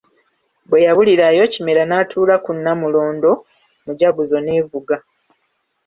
Bwe yabulirayo Kimera n’atuula ku Nnamulondo, mujaguzo n'evuga.